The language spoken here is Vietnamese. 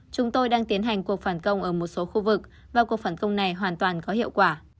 chúng tôi đang tiến hành cuộc phản công ở một số khu vực và cuộc phản công này hoàn toàn có hiệu quả